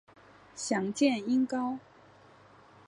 详见音高。